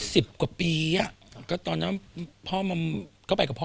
โหสิบกว่าปีอ่ะตอนนั้นเขาไปกับพ่อ